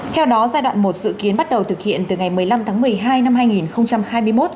theo đó giai đoạn một dự kiến bắt đầu thực hiện từ ngày một mươi năm tháng một mươi hai năm hai nghìn hai mươi một